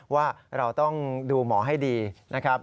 ว่าเราต้องดูหมอให้ดีนะครับ